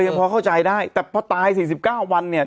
พอเข้าใจได้แต่พอตาย๔๙วันเนี่ย